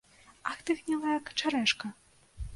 Ах ты, гнілая качарэжка!